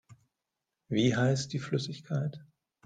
Wie heißt die Flüssigkeit?